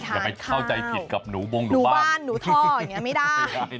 อย่าเข้าใจผิดหงวงหนูบ้านหนูท่ออย่างนั้นไม่ได้